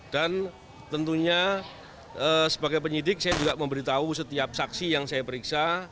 dan tentunya sebagai penyidik saya juga memberitahu setiap saksi yang saya periksa